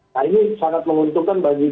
nah ini sangat menguntungkan bagi